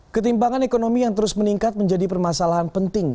ketimbangan ekonomi yang terus meningkat menjadi permasalahan penting